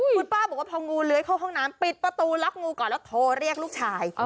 คุณป้าบอกว่าพองูเลื้อยเข้าห้องน้ำปิดประตูล็อกงูก่อนแล้วโทรเรียกลูกชาย